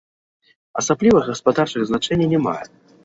Асаблівага гаспадарчага значэння не мае.